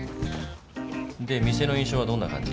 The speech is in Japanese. で店の印象はどんな感じ？